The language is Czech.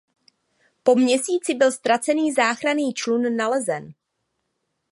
Po měsíci byl ztracený záchranný člun nalezen.